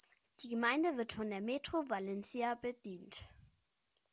Die Gemeinde wird von der Metro Valencia bedient.